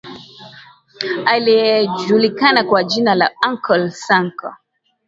anayejulikana kwa jina la uncle sanko